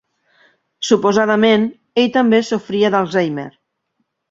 Suposadament, ell també sofria d'Alzheimer.